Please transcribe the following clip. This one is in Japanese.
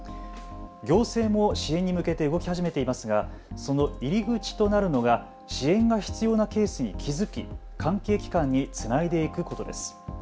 行政も支援に向けて動き始めていますがその入り口となるのが支援が必要なケースに気付き関係機関につないでいくことです。